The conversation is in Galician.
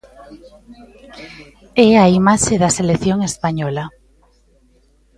É a imaxe da selección española.